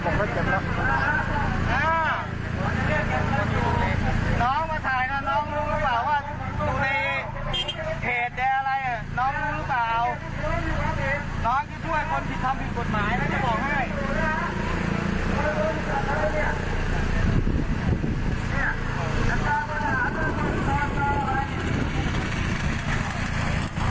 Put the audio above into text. เจ็บแล้วจุดละน้องมาถ่ายนะน้องรู้รู้เปล่าว่าตุเลเหตุอะไรเหรอ